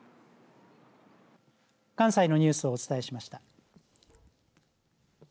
関西のニュースをお伝えしました。